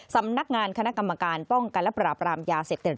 สำนักงานคณะกรรมการป้องกันและปราบรามยาเสพติด